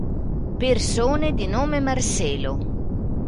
Persone di nome Marcelo